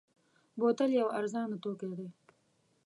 بوتل یو ارزانه توکی دی.